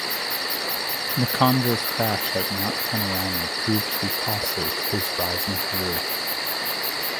McConville's crash at Mount Panorama proved to be costly to his rising career.